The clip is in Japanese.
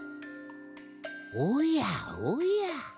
おやおや。